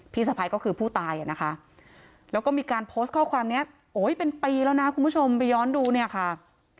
สะพ้ายก็คือผู้ตายอ่ะนะคะแล้วก็มีการโพสต์ข้อความนี้โอ้ยเป็นปีแล้วนะคุณผู้ชมไปย้อนดูเนี่ยค่ะ